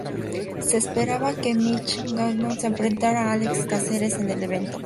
Se esperaba que Mitch Gagnon se enfrentará a Álex Cáceres en el evento.